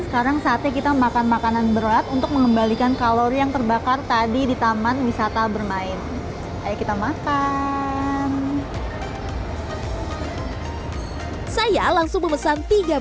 sekarang saatnya kita makan makanan berat untuk mengembalikan kalori yang terbakar tadi di taman wisata bermain